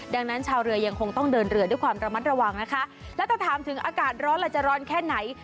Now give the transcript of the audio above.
ดังนั้นชาวเรือยังคงต้องเดินเรือด้วยความระมัดระวังนะคะแล้วถ้าถามถึงอากาศร้อนล่ะจะร้อนแค่ไหน